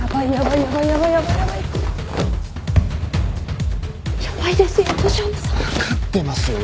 分かってますよ。